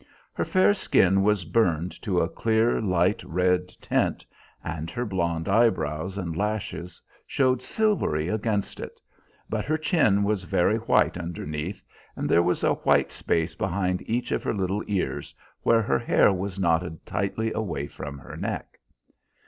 Her fair skin was burned to a clear, light red tint, and her blonde eyebrows and lashes showed silvery against it, but her chin was very white underneath, and there was a white space behind each of her little ears where her hair was knotted tightly away from her neck.